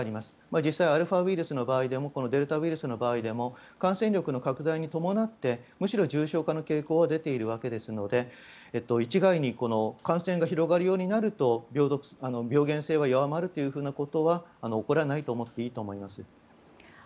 実際アルファウイルスの場合でもデルタウイルスの場合でも感染力の拡大に伴ってむしろ重症化の傾向は出ているわけですので一概に感染が広がるようになると病原性は弱まるということは起こらないと思っていいと思います。